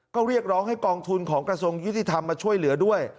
ก็เรียกร้องให้กองทุนของกระทรวงยุติธรรมมาช่วยเหลือด้วย